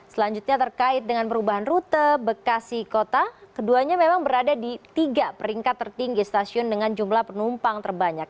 selanjutnya terkait dengan perubahan rute bekasi kota keduanya memang berada di tiga peringkat tertinggi stasiun dengan jumlah penumpang terbanyak